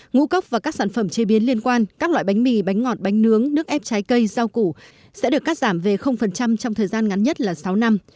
ngũ cốc và các sản phẩm chế biến liên quan các loại bánh mì bánh ngọt bánh nướng nước ép trái cây rau củ sẽ được cắt giảm về trong thời gian ngắn nhất là sáu năm